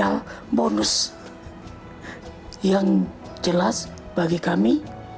dan itu bonus yang jelas bagi kami